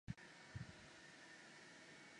拟纹萤为萤科熠萤属下的一个种。